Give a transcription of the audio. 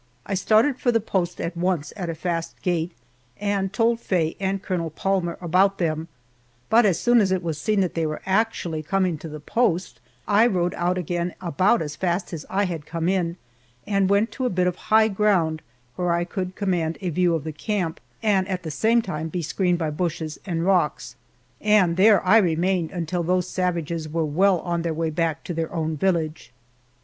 I started for the post at once at a fast gait and told Faye and Colonel Palmer about them, but as soon as it was seen that they were actually coming to the post, I rode out again about as fast as I had come in, and went to a bit of high ground where I could command a view of the camp, and at the same time be screened by bushes and rocks. And there I remained until those savages were well on their way back to their own village.